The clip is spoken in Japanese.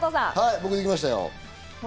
僕できましたよ。